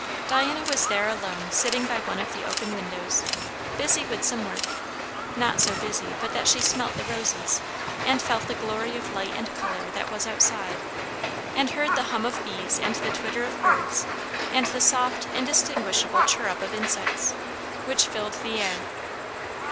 Diana was there alone sitting by one of the open windows, busy with some work; not so busy but that she smelt the roses, and felt the glory of light and colour that was outside, and heard the hum of bees and the twitter of birds and the soft indistinguishable chirrup of insects, which filled the air.